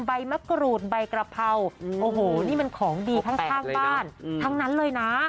ใบมะกรูดใบกระเพราโอ้โหนี่มันของดีข้างบ้านทั้งนั้นเลยนะ